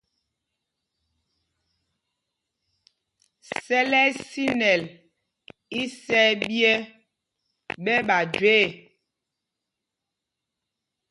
Sɛl ɛ́ ɛ́ sinɛl isɛɛ ɓyɛ́ ɓɛ ɓa jüe ɛ̂.